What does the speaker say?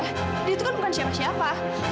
kamu ngebelain orang gak penting kayak dia